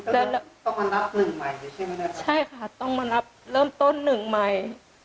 ต้องมารับหนึ่งใหม่ใช่ไหมครับใช่ค่ะต้องมารับเริ่มต้นหนึ่งใหม่